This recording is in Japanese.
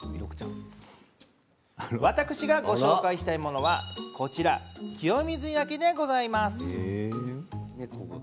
私がご紹介したいものは、こちら清水焼でございます。